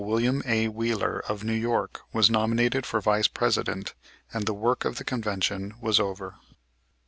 Wm. A. Wheeler, of New York, was nominated for Vice President and the work of the Convention was over.